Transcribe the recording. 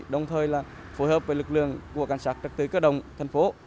đồng thời phù hợp với lực lượng của cảnh sát trật tự cơ đồng thành phố